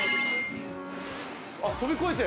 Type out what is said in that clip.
◆あっ跳び越えて。